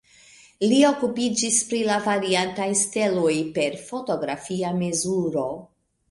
Li okupiĝis pri la variantaj steloj per fotografia mezuro.